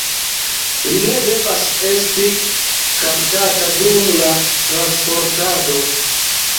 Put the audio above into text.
Li ne devas esti kaptata dum la transportado.